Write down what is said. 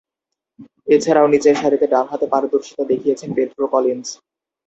এছাড়াও নিচেরসারিতে ডানহাতে পারদর্শীতা দেখিয়েছেন পেড্রো কলিন্স।